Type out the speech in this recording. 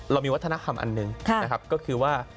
เรามีวัฒนะคำอันหนึ่งแบบ